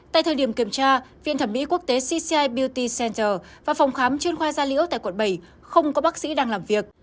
tại thời điểm kiểm tra viện thẩm mỹ quốc tế cci bot center và phòng khám chuyên khoa gia liễu tại quận bảy không có bác sĩ đang làm việc